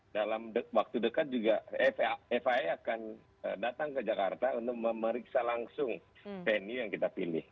dalam waktu dekat juga fia akan datang ke jakarta untuk memeriksa langsung venue yang kita pilih